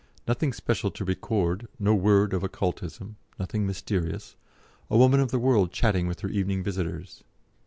Nothing special to record, no word of Occultism, nothing mysterious, a woman of the world chatting with her evening visitors.